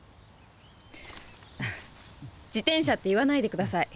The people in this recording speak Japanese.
自転車って言わないで下さい。